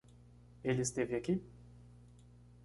Ele esteve aqui?